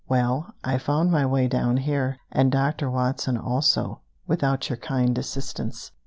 "Well, I found my way down here, and Doctor Watson also, without your kind assistance.